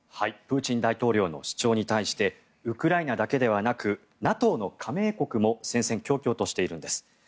プーチン大統領の主張に対してウクライナだけではなくＮＡＴＯの加盟国も戦々恐々としているんです。